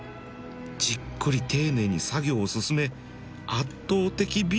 じっくり丁寧に作業を進め圧倒的美味を生む！